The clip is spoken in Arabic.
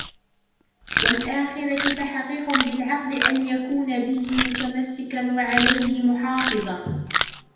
وَالْآخِرَةِ فَحَقِيقٌ بِالْعَقْلِ أَنْ يَكُونَ بِهِ مُتَمَسِّكًا وَعَلَيْهِ مُحَافِظًا